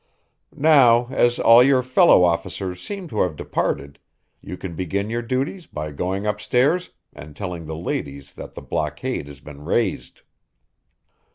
Now, as all your fellow officers seem to have departed you can begin your duties by going upstairs and telling the ladies that the blockade has been raised."